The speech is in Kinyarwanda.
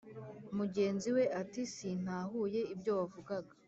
Mugenzi we ati"sintahuye ibyo wavugaga